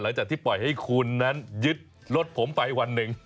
หลังจากที่ปล่อยให้คุณนั้นยึดรถผมไปวันหนึ่ง